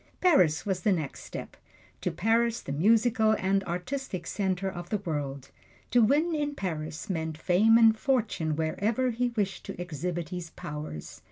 Paris was the next step to Paris, the musical and artistic center of the world. To win in Paris meant fame and fortune wherever he wished to exhibit his powers.